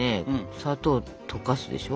砂糖を溶かすでしょ。